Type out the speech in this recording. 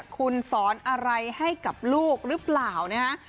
คุณสอนอะไรให้กับลูกหรือเปล่านะฮะ